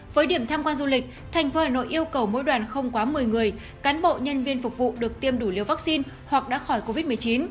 với điểm tham quan du lịch thành phố hà nội yêu cầu mỗi đoàn không quá một mươi người cán bộ nhân viên phục vụ được tiêm đủ liều vaccine hoặc đã khỏi covid một mươi chín